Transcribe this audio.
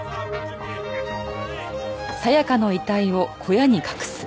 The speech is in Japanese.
はい！